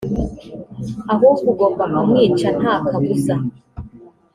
ahubwo ugomba kumwica nta kabuza.